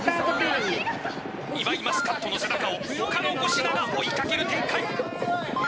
岩井マスカットの背中を他の５品が追いかける展開！